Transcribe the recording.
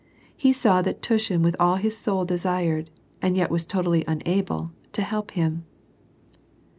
He saw that Tushin with all his soul desired, and yet was totally unable, to help him.